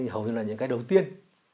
hầu như là những cái đầu tiên